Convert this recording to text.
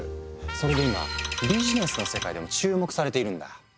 それで今ビジネスの世界でも注目されているんだ。